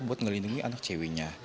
buat ngelindungi anak ceweknya